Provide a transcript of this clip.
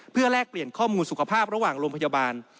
เพื่อแลกเปลี่ยนข้อมูลสุขภาพระหว่างโรงพยาบาล